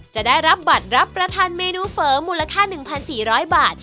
จะได้รับบัตรรับประทานเมนูเฝอมูลค่า๑๔๐๐บาท